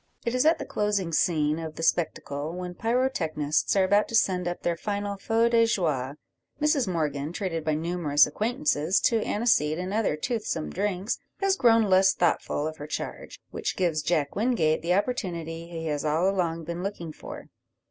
It is at the closing scene of the spectacle, when the pyrotechnists are about to send up their final feu de joie, Mrs Morgan, treated by numerous acquaintances to aniseed and other toothsome drinks, has grown less thoughtful of her charge, which gives Jack Wingate the opportunity he has all along been looking for.